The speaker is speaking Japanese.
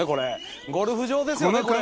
ゴルフ場ですよね？